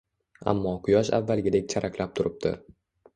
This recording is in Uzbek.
ammo Quyosh avvalgidek charaqlab turibdi